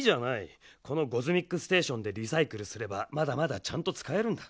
このゴズミックステーションでリサイクルすればまだまだちゃんとつかえるんだ。